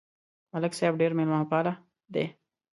ملک صاحب ډېر مېلمهپاله دی.